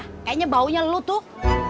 kayaknya baunya lelut tuh